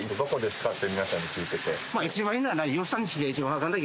ここですか？